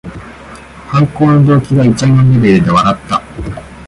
犯行の動機がいちゃもんレベルで笑った